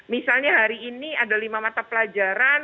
misalnya hari ini ada lima mata pelajaran